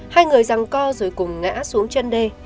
hai người răng co rồi cùng ngã xuống chân đê